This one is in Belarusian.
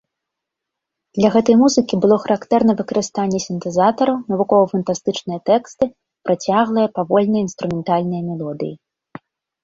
Для гэтай музыкі было характэрна выкарыстанне сінтэзатараў, навукова-фантастычныя тэксты, працяглыя, павольныя інструментальныя мелодыі.